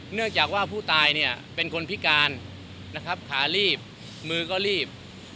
เนื่องจากว่าผู้ตายเนี่ยเป็นคนพิการนะครับขาลีบมือก็รีบ